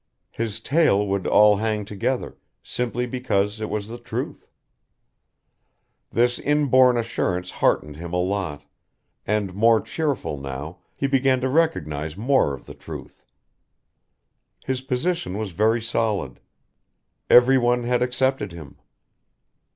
His tale would all hang together, simply because it was the truth. This inborn assurance heartened him a lot, and, more cheerful now, he began to recognise more of the truth. His position was very solid. Every one had accepted him.